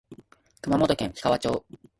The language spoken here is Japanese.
熊本県氷川町